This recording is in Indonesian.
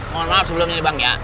mohon maaf sebelum ini bang ya